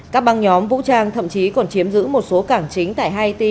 các băng nhóm vũ trang thậm chí còn chiếm giữ một số cảng chính tại haiti